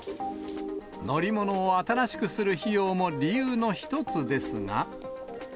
乗り物を新しくする費用も理由の一つですが。